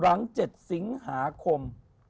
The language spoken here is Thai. หลัง๗สิงหาคม